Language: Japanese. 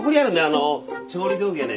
あのう調理道具やね